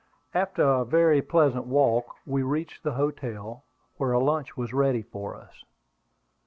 After a very pleasant walk we reached the hotel, where a lunch was ready for us.